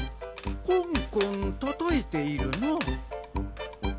コンコンたたいているな。